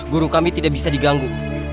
guru kami tidak bisa diganggu